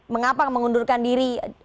mengapa mengundurkan diri